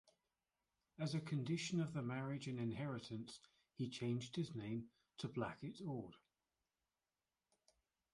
As a condition of the marriage and inheritance, he changed his name to Blackett-Ord.